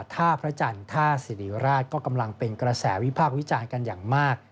ท่าพระจันทร์ท่าสิริราชก็กำลังเป็นกระแสวิพากษ์วิจารณ์กันอย่างมาก